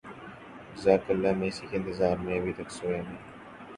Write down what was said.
جزاک اللہ میں اسی کے انتظار میں ابھی تک سویا نہیں